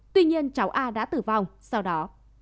tuy nhiên cháu a đã tử vong sau đó